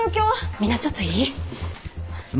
みんなちょっといい？